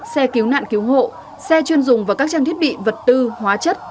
xe cứu nạn cứu hộ xe chuyên dùng và các trang thiết bị vật tư hóa chất